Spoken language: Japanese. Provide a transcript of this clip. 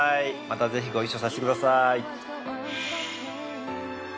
またぜひご一緒させてください。